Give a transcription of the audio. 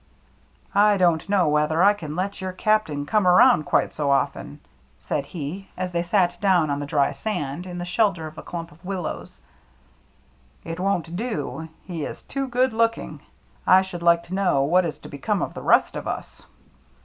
" I don't know whether I can let your Cap tain come abound quite so often," said he, as they sat down on the dry sand, in the shelter of a clump of willows. "It won't do — he is too good looking. I should like to know what is to become of the rest of us."